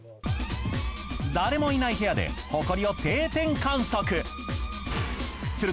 誰もいない部屋でホコリを定点観測。